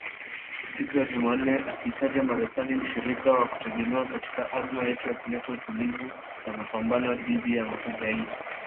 siku ya Jumanne akiitaja Marekani mshirika wa kutegemewa katika azma yetu ya kuleta utulivu na mapambano dhidi ya ugaidi